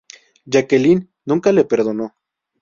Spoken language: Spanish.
Jacqueline nunca le perdonó.